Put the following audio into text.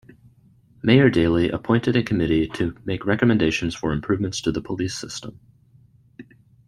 Mayor Daley appointed a committee to make recommendations for improvements to the police system.